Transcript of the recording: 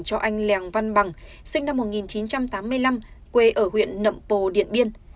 cho anh lèng văn bằng sinh năm một nghìn chín trăm tám mươi năm quê ở huyện nậm pồ điện biên